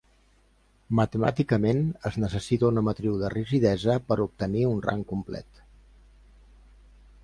Matemàticament, es necessita una matriu de rigidesa per obtenir un rang complet.